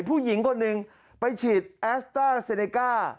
ผู้หญิงคนหนึ่งไปฉีดแอสต้าเซเนก้า